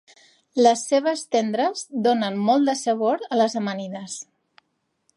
Les cebes tendres donen molt de sabor a les amanides.